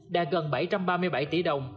đã gần bảy trăm ba mươi bảy tỷ đồng